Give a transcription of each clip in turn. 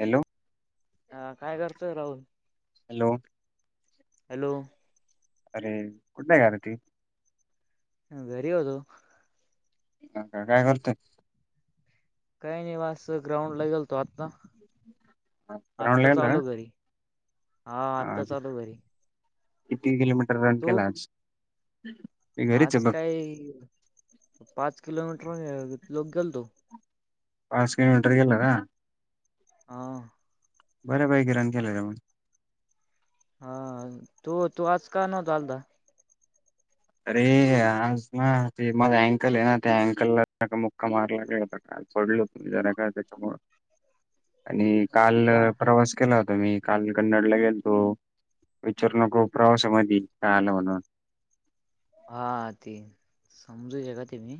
Hello हा काय करतोय राहुल हॅलो हॅलो अरे कुठ नाही का र त ह वरी अतो अ का काय करतोय काही नाही वा अस ग्राउंड लागेल तो आता ग्राउंड आत्ता ला गेला चालू घरी हा का? आत्ता चालू घरी किती किलोमीटर रन तू केला मी घरीच आज आहे बघ काय पाच किलोमीटर लोक गेलतो पाच किलोमीटर गेलं का हा बर बाई किराण केलं रण हा तो तू आज का नव्हता आलता अरे आज ना ते माझ अँकल आहे ना त्या अँकलला मुक्का मार ला गेला होता का पडल तुम्ही जरा का त्याच्यामु आणि काल हो का प्रवास केला होता मी काल कन्नडला गेल तो विचारू नको प्रवासामध्येध काय आलं म्हणून हा ती समजू ज का त म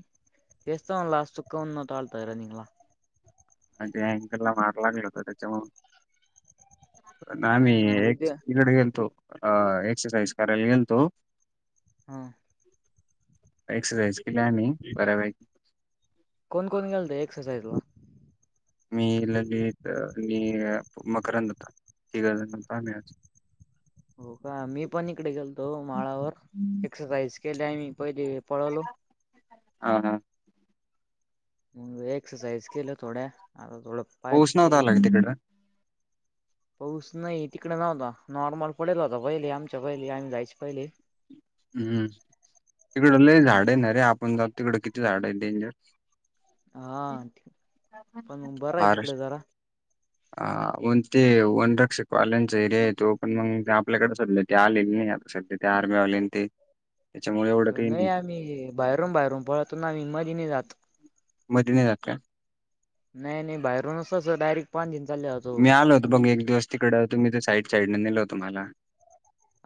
येस्व ला सुखव न तात रानंगला अदी अँकरला मारला मिळतो त्याच्यामु आ काय मी मग एक उद्या किकडे गेलतो अ एक्ससाईज करायला य तो हा एक्सरसाइज केली आम्ही बऱ्यापैकी कोण कोण घालत एक्सरसाईज ला मी ललित मी मकरंद होता ती गज नत आम हो का मी पण इकडे गेलतो माळावर एक्सरसाइज केलेमही प पळलो ह ह न एक्ससईज किल्लं थोडे आ ोडप पोचणवता आलाग तिकडं पाऊस नाही तिकडे नव्हता नॉर्मल पडेल होता पहिले आमच्या पहिले आम्ही जायचे पहिले हम्म तिकड ल झाड आहे ना रे आपण जाऊ तिकड किती झाड आहे डेंजर हा पण बरं आहे आ तिकडे जरा हा म ते वनरक्षकवाल्यांचा एरिया आहे तो पण मग ते आपल्याकडे चालले ते आले नाही आता सध्या ते आर्मी आले ते त्याच्यामुळे एवढं काही नाही आम्ही बाहेरून बाहेरून पळत ना आम्ही मधने जातो मधन जाका नाही नाही बाहेरूनच डायरेक्ट पाच दि चालेतात मी आलोत बघ एक दिवस तिकडे होत मी त साईड साईडने नेलोतो मला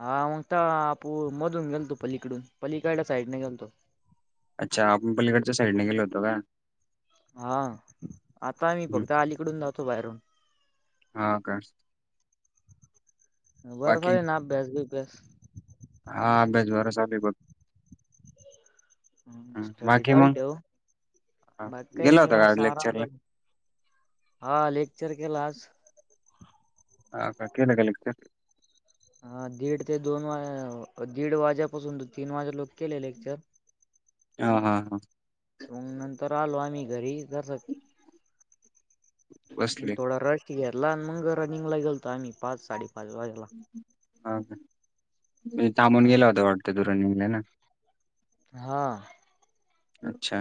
हा मगता आपू मधून गेल तो पलीकडून पलीकड साईडने गेल तो अच्छा आपण पलीकडच्या साईडने गेलो होतो का हा आता आम्ही हम्म. फघत अलीकडून जाहतो बाहेरून हा का बरफली ना भ्यास घ ब्यास हाभेच वरसभी बघ ह हा, स्टडी बाकी मग चालते हो हा, मग काही गेला होता निवा का सारा लेक्चरला हा लेक्चर केला आज ह का केले क हा दीड ते दोन वाज दीड वाज्यापासून तीन वाजे लोक केले लेक्चर ह हा हा तग नंतर आलो आम्ही घरी जस बसले थोडा रश घ्याला आणि मग रनिंग ला गेलतो आम्ही पाच साडेपाच वाजेला ह का थांबून हा गेला होता वाटत तू रनिंगला ना हा अच्छा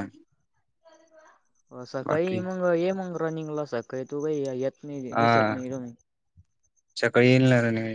बाकी सकाळी मग ये मग रनिंगला सकाळी तू काही येत नाही हा दिसत नाही इड म सकाळी येईलणार नाही